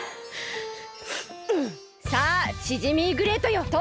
さあシジミーグレイトよ！